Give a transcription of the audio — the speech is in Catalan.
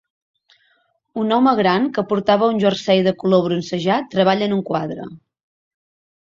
Un home gran que portava un jersei de color bronzejat treballa en un quadre.